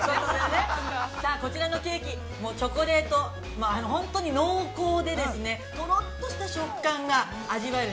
さあ、こちらのケーキ、チョコレート、本当に濃厚で、とろっとした食感が味わえる。